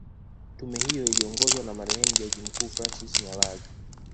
Tume hiyo iliongozwa na marehemu jaji mkuu Francis Nyalali